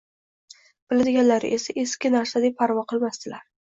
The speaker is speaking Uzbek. Biladiganlari esa eski narsa deb parvo qilmasdilar